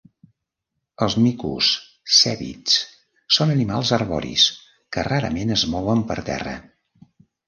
Els micos cèbids són animals arboris que rarament es mouen per terra.